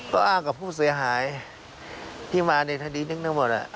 ก็อ้างกับผู้เสียหายที่มาในทะดีนึกนั่นหมดน่ะ